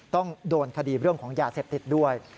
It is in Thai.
ต้องโดนคดีเรื่องของยาเสพติดด้วย